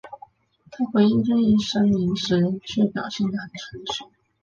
他回应这一声明时却表现得很成熟。